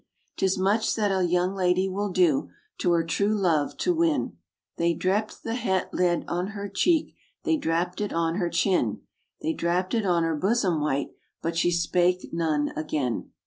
'Tis much that a young lady will do To her true love to win." They drapped the het lead on her cheek, They drapped it on her chin, They drapped it on her bosom white, But she spake none again.